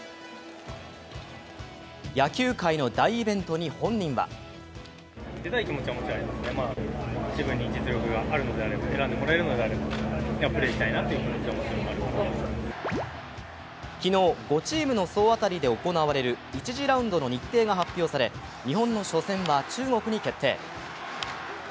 野球界の大イベントに本人は昨日、５チームの総当たりで行われる、１次ラウンドの日程が発表され、日本の初戦は中国に決定。